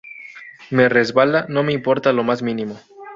Me resbala, no me importa lo más mínimo